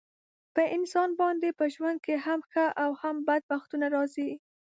په انسان باندې په ژوند کې هم ښه او هم بد وختونه راځي.